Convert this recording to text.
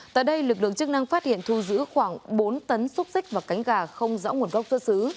tại đây lực lượng chức năng phát hiện thu giữ khoảng bốn tấn xúc xích và cánh gà không rõ nguồn gốc xuất xứ